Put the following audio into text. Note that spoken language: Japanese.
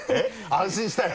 安心したよ。